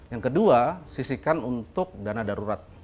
yang kedua sisikan untuk dana darurat